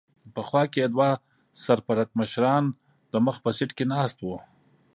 په خوا کې یې دوه سر پړکمشران د مخ په سېټ کې ناست و.